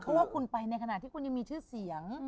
เพราะว่าคุณไปในขณะที่คุณยังมีชื่อเสียง